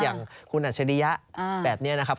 อย่างคุณอัจฉริยะแบบนี้นะครับ